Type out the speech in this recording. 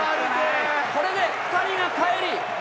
これで２人がかえり